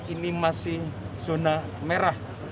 ini masih zona merah